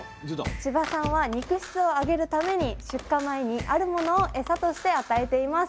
千葉さんは肉質を上げるために出荷前にあるものをエサとして与えています。